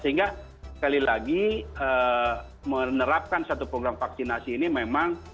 sehingga sekali lagi menerapkan satu program vaksinasi ini memang